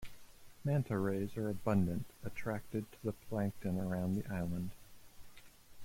Manta rays are abundant, attracted to the plankton around the island.